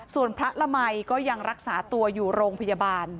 ส่วนพระละมัยก็ยังรักษาตัวอยู่โรงพยาบาล